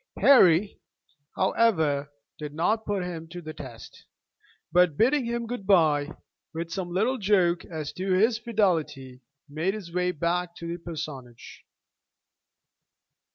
Harry, however, did not put him to the test; but bidding him good bye with some little joke as to his fidelity, made his way back to the parsonage.